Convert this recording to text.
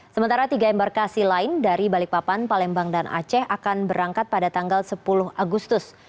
sementara tiga embarkasi lain dari balikpapan palembang dan aceh akan berangkat pada tanggal sepuluh agustus